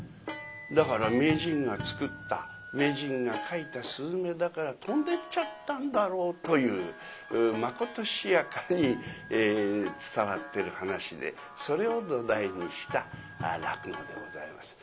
だから名人が作った名人が描いた雀だから飛んでっちゃったんだろうというまことしやかに伝わってる噺でそれを土台にした落語でございます。